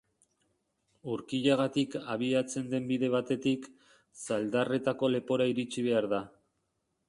Urkillagatik abiatzen den bide batetik, Zaldarretako lepora iritsi behar da.